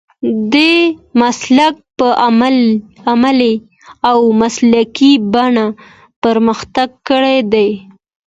دې مسلک په عملي او مسلکي بڼه پرمختګ کړی دی.